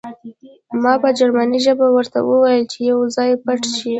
ما په جرمني ژبه ورته وویل چې یو ځای پټ شئ